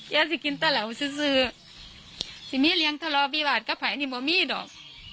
แกจะกินตะเลาซื้อถ้ามีเลี้ยงทะเลาบีบาทก็ภายในบ่อมี่ดอก